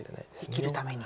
生きるために。